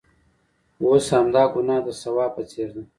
اوس همدا ګناه د ثواب په څېر ده.